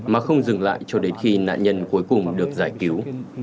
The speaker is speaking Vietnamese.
mà không dừng lại cho đến khi nạn nhân cuối cùng được giải cứu